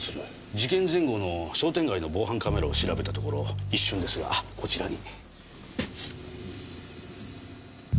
事件前後の商店街の防犯カメラを調べたところ一瞬ですがこちらに。